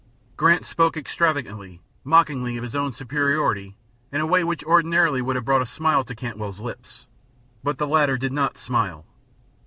Grant spoke extravagantly, mockingly, of his own superiority in a way which ordinarily would have brought a smile to Cantwell's lips, but the latter did not smile.